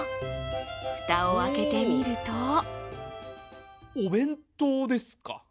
蓋を開けてみるとお弁当ですか！？